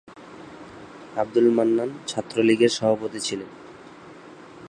আব্দুল মান্নান ছাত্রলীগের সভাপতি ছিলেন।